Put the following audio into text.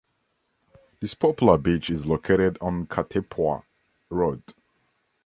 This popular beach is located on Katepwa Road.